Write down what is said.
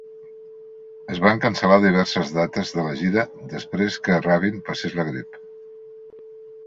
Es van cancel·lar diverses dates de la gira després que Rabin passés la grip.